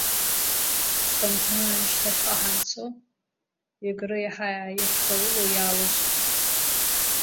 Ҳхынҳәны шьҭахьҟа ҳанцо, Егры иаҳа иахьҵауло иалажьтәуп!